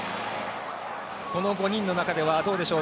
この５人の中ではどうでしょう。